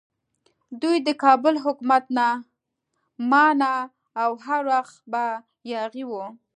دوی د کابل حکومت نه مانه او هر وخت به یاغي وو.